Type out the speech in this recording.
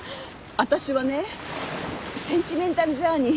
私はねセンチメンタルジャーニー。